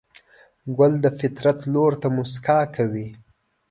ګل د فطرت لور ته موسکا کوي.